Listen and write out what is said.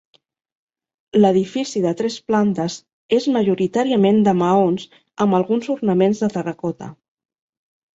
L'edifici de tres plantes és majoritàriament de maons amb alguns ornaments de terracota.